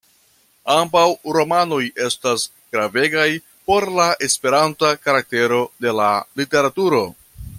Ambaŭ romanoj estas gravegaj por la esperanta karaktero de la literaturo.